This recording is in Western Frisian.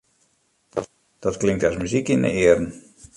Dat klinkt as muzyk yn 'e earen.